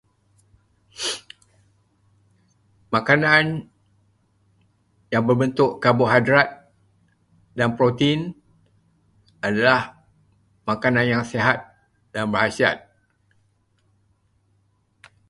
Makanan yang berbentuk karbohidrat dan protein adalah makanan yang sihat dan berkhasiat.